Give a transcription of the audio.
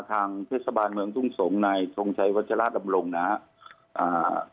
ทางเทสตะบาลเมืองทุ่งสงส์ในทรงชัยวัชราบรรยงนะครับ